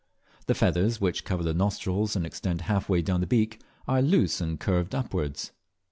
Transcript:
The feathers, which cover the nostrils and extend half way down the beak, are loose and curved upwards.